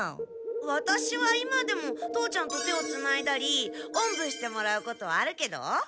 ワタシは今でも父ちゃんと手をつないだりおんぶしてもらうことはあるけど。